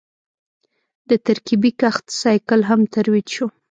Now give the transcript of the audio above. د ترکیبي کښت سایکل هم ترویج شو.